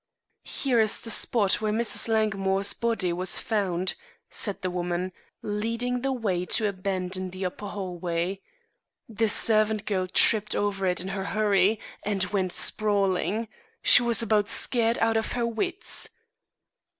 "Here is the spot where Mrs. Langmore's body was found," said the woman, leading the way to a bend in the upper hallway. "The servant girl tripped over it in her hurry, and went sprawling. She was about scared out of her wits."